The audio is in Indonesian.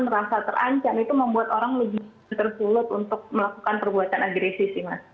merasa terancam itu membuat orang lebih tersulut untuk melakukan perbuatan agresi sih mas